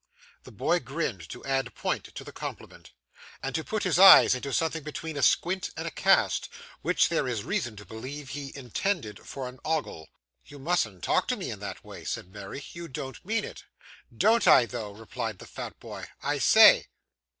The boy grinned to add point to the compliment, and put his eyes into something between a squint and a cast, which there is reason to believe he intended for an ogle. 'You mustn't talk to me in that way,' said Mary; 'you don't mean it.' 'Don't I, though?' replied the fat boy. 'I say?